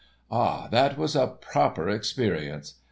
Ah, that was a proper experience.